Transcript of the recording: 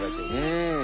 うん！